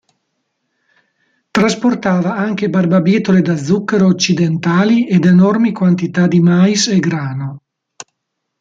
Trasportava anche barbabietole da zucchero occidentali ed enormi quantità di mais e grano.